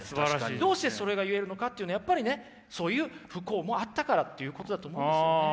どうしてそれが言えるのかっていうのはやっぱりねそういう不幸もあったからっていうことだと思うんですよね。